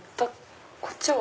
こっちは？